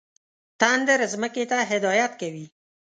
تندر ځمکې ته هدایت کوي.